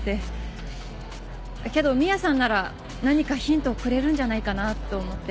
けどミアさんなら何かヒントをくれるんじゃないかなって思って。